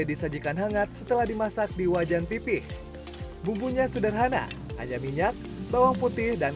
disajikan hangat setelah dimasak di wajan pipih bumbunya sederhana hanya minyak bawang putih dan